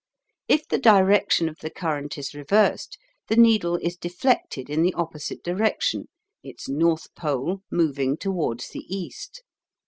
If the direction of the current is reversed, the needle is deflected in the opposite direction, its north pole moving towards the east.